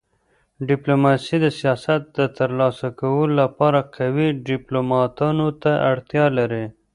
ډيپلوماسي د سیاست د تر لاسه کولو لپاره قوي ډيپلوماتانو ته اړتیا لري.